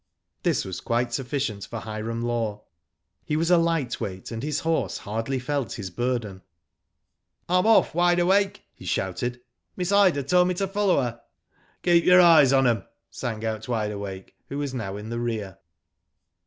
This was quite sufficient for Hiram Law. He was a light weight, and his horse hardly felt his burden. 'M'm off. Wide Awake," he shouted. "Miss Ida told me to follow her." " Keep your eyes on 'em," sang out Wide Awake, who was now in the rear.